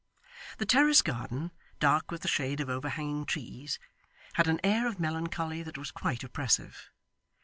The terrace garden, dark with the shade of overhanging trees, had an air of melancholy that was quite oppressive.